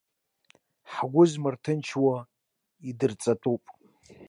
Ҳгәы змырҭынчуа идырҵатәуп.